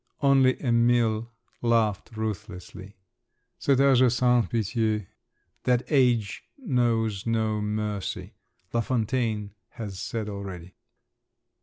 Only Emil laughed ruthlessly. Cet âge est sans pitié—that age knows no mercy—Lafontaine has said already.